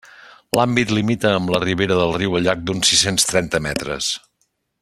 L'àmbit limita amb la ribera del riu al llarg d'uns sis-cents trenta metres.